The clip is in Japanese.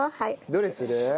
どれにする？